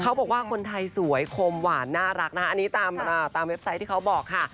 เขาบอกว่าคนไทยสวยคมหวานน่ารักนะคะอันนี้ตามเว็บไซต์ที่เขาบอกค่ะ